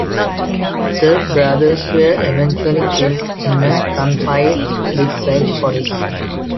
The brothers were eventually killed in a gunfight with French police.